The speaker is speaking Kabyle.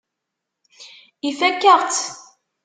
Ifakk-aɣ-tt.